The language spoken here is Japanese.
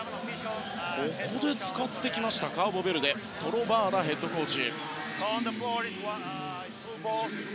ここで使ってきましたカーボベルデのトロバアダヘッドコーチです。